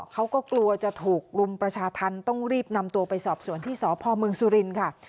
เขาก็กลัวจะถูกรุมประชาธรรมต้องรีบนำตัวไปสอบสวนที่สพเมืองสุรินทร์ค่ะ